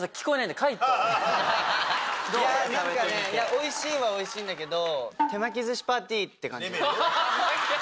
おいしいはおいしいんだけど。